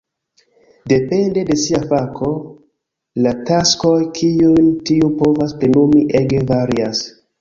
Depende de sia fako, la taskoj kiujn tiu povas plenumi ege varias.